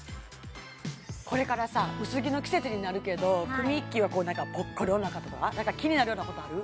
これからさ薄着の季節になるけどくみっきーはぽっこりお腹とか気になるようなことある？